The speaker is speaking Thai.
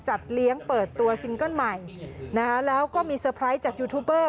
เลี้ยงเปิดตัวซิงเกิ้ลใหม่นะคะแล้วก็มีเตอร์ไพรส์จากยูทูบเบอร์